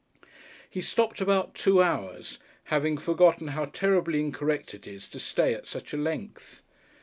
He stopped about two hours, having forgotten how terribly incorrect it is to stay at such a length.